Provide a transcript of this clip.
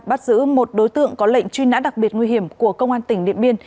bắt giữ một đối tượng có lệnh truy nã đặc biệt nguy hiểm của công an tỉnh điện biên